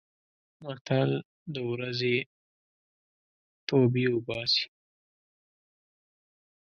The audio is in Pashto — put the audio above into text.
متل: د ورځې توبې اوباسي.